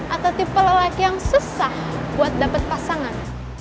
atau tipe lelaki yang susah buat dapet pasangan